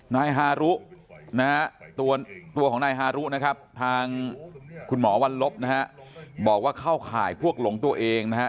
นายฮารุนะฮะตัวของนายฮารุนะครับทางคุณหมอวัลลบนะฮะบอกว่าเข้าข่ายพวกหลงตัวเองนะฮะ